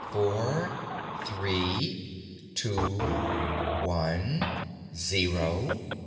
four ... three ... two ... one ... zero."